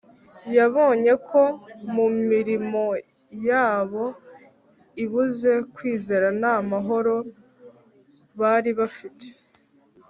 . Yabonye ko mu mirimo yabo ibuze kwizera nta mahoro bari bafite